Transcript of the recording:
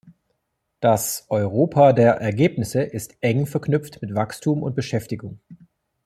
Das Europa der Ergebnisse ist eng verknüpft mit Wachstum und Beschäftigung.